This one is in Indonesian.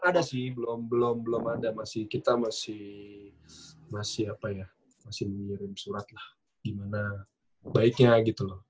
ada sih belum belum ada masih kita masih apa ya masih mengirim surat lah gimana baiknya gitu loh